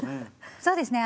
そうですね